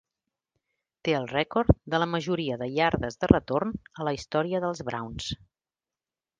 Té el rècord de la majoria de iardes de retorn a la història dels Browns.